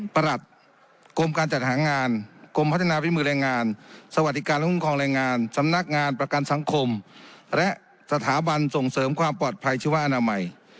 หลัดกรมการจัดหางานกรมพัฒนาวิมือแรงงานสวัสดิการและคุ้มครองแรงงานสำนักงานประกันสังคมและสถาบันส่งเสริมความปลอดภัยชีวอนามัย